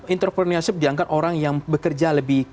entrepreneurship dianggap orang yang bekerja lebih